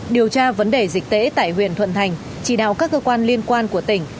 điều tra vấn đề dịch tễ tại huyện thuận thành chỉ đạo các cơ quan liên quan của tỉnh